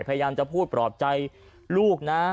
พยายามจะพูดปลอบใจลูกนะ